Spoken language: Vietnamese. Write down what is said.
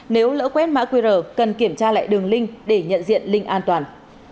nếu lỡ quét mã qr cần kiểm tra lại đường link để nhận diện link an toàn